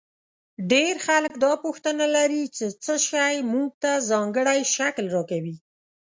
ډېر خلک دا پوښتنه لري چې څه شی موږ ته ځانګړی شکل راکوي.